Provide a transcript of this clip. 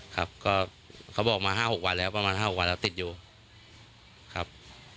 ครับก็เขาบอกมา๕๖วันแล้วประมาณ๕๖วันแล้วติดอยู่ครับ